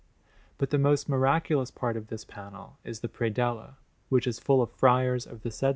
But the most miraculous part of this panel is the predella, which is full of Friars of the said S.